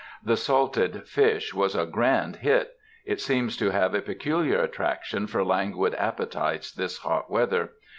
The salted fish was a grand hit. It seems to have a peculiar attraction for languid appetites this hot weather.